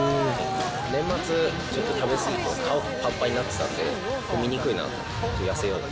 年末ちょっと食べ過ぎて、顔ぱんぱんになってたんで、醜いな、痩せようって。